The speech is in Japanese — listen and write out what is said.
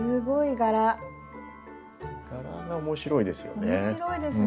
柄が面白いですよね。